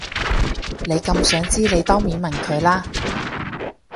你咁想知你當面問佢啦